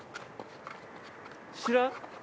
知らん？